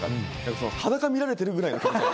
裸見られてるぐらいの気持ち。